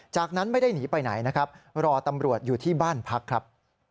จากนั้นไม่ได้หนีไปไหนนะครับรอตำรวจอยู่ที่บ้านพักครับ